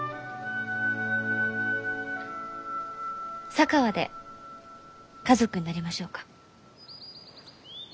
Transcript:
佐川で家族になりましょうか。